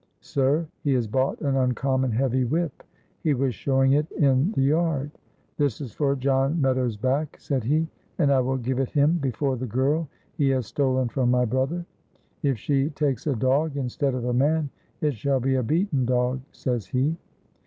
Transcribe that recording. "Sir, he has bought an uncommon heavy whip; he was showing it in the yard. 'This is for John Meadows' back,' said he, 'and I will give it him before the girl he has stolen from my brother. If she takes a dog instead of a man, it shall be a beaten dog,' says he."